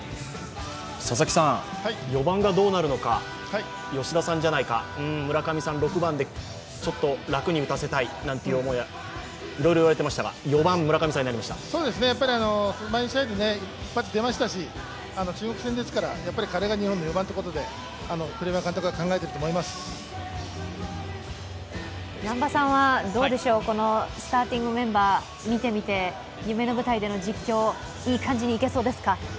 ４番がどうなるのか、吉田さんじゃないか、村上さんは６番でちょっと楽に打たせたいなんて思い、いろいろ言われていましたが前の試合で一発出ましたし、中国戦ですから、彼が日本の４番ということで南波さんはどうでしょうこのスターティングメンバー見てみて夢の舞台での実況、いい感じにいけそうですか？